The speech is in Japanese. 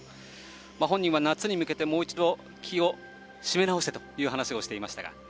本人は夏に向けてもう一度気を締め直してと話をしていましたが。